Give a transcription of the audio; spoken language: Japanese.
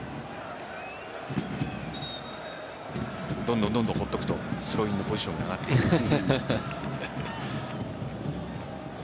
どんどんほっとくとスローインのポジションが上がってきます。